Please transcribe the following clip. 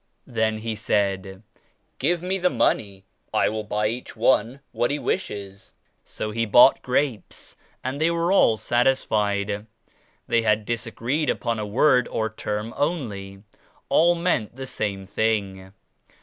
Then he said 'Give me the money. I will buy each one what he wishes.' So he bought grapes and they were all satisfied. They had disagreed upon a word or term only; all meant the same thing.